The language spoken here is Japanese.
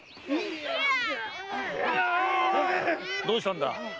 どうしたんだ？